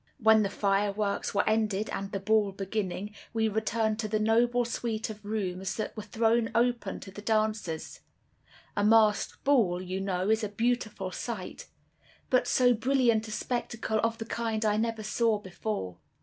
"When the fireworks were ended, and the ball beginning, we returned to the noble suite of rooms that were thrown open to the dancers. A masked ball, you know, is a beautiful sight; but so brilliant a spectacle of the kind I never saw before.